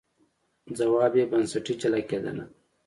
ځواب یې بنسټي جلا کېدنه ده.